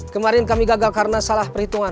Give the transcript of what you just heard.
kemarin kami gagal karena salah perhitungan